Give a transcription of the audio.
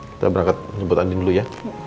kita berangkat nyebut andien dulu ya